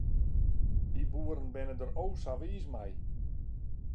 Dy boeren binne der o sa wiis mei.